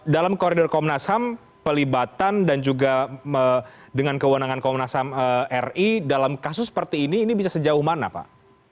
dalam koridor komnas ham pelibatan dan juga dengan kewenangan komnas ham ri dalam kasus seperti ini ini bisa sejauh mana pak